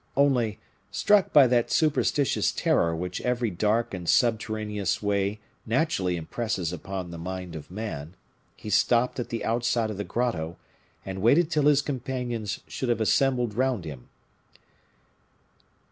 Only, struck by that superstitious terror which every dark and subterraneous way naturally impresses upon the mind of man, he stopped at the outside of the grotto, and waited till his companions should have assembled round him.